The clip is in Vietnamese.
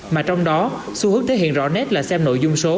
mà trong đó xu hướng thể hiện rõ nét là xem nội dung số